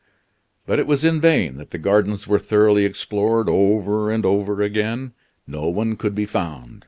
But it was in vain that the gardens were thoroughly explored over and over again; no one could be found.